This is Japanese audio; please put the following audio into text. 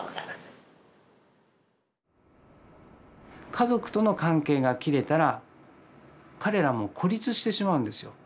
家族との関係が切れたら彼らも孤立してしまうんですよ。